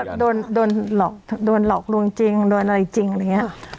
โดนหลอกโดนหลอกลวงจริงโดนอะไรจริงอะไรอย่างนี้